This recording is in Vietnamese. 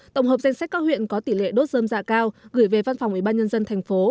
tổng hợp danh sách các huyện có tỷ lệ đốt rơm dạ cao gửi về văn phòng ủy ban nhân dân thành phố